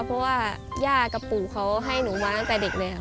เพราะว่าย่ากับปู่เขาให้หนูมาตั้งแต่เด็กเลยค่ะ